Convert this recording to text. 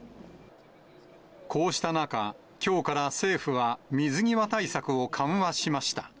こうした中、きょうから政府は水際対策を緩和しました。